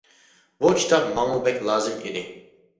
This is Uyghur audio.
بۇ كىتاب ماڭىمۇ بەك لازىم ئىدى.